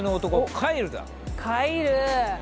カイル！